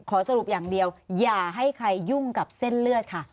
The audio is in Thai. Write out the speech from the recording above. สรุปอย่างเดียวอย่าให้ใครยุ่งกับเส้นเลือดค่ะ